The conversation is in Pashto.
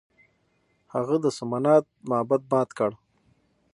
هغه د سومنات معبد مات کړ.